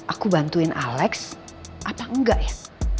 aku bantuin alex apa enggak ya